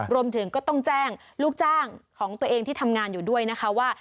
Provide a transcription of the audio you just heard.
รวมถึงก็ต้องแจ้งลูกจ้างของตัวเองที่ทำงานอยู่ด้วยนะคะว่า